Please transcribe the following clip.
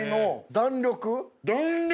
弾力！